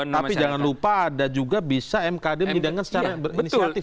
tapi jangan lupa ada juga bisa mkd mengidangkan secara berinisiatif